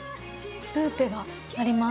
ルーペがあります。